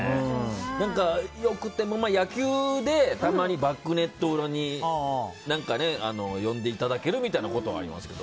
よくても野球でたまにバックネット裏に呼んでいただけるみたいなことはありますけど。